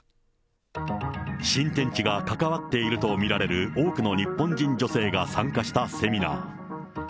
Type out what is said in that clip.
新天地が関わっていると見られる多くの日本人女性が参加したセミナー。